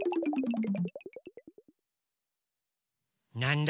なんだ？